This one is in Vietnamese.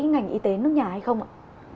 ngành y tế nước nhà hay không ạ